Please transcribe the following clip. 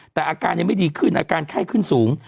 แต่อาการยังไม่ดีขึ้นอาการไข้ขึ้นสูง